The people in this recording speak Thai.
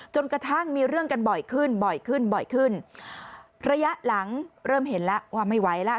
จนกระทั่งมีเรื่องกันบ่อยขึ้นระยะหลังเริ่มเห็นแล้วว่าไม่ไหวแล้ว